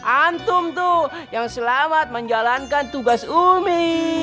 antum tuh yang selamat menjalankan tugas umi